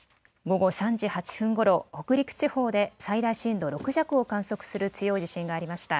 午後３時８分ごろ、北陸地方で最大震度６弱を観測する強い地震がありました。